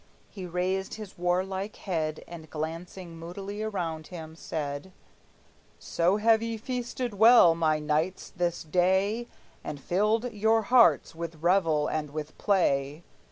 He raised his warlike head And glancing moodily around him, said: "So have ye feasted well, my knights, this day, And filled your hearts with revel and with play.